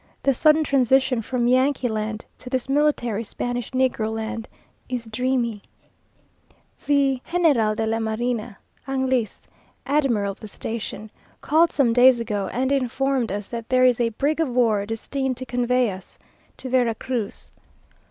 The sudden transition from Yankee land to this military Spanish negro land is dreamy. The General de la Marina (Anglice, admiral of the station) called some days ago, and informed us that there is a brig of war destined to convey us to Vera Cruz.